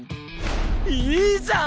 いいじゃん！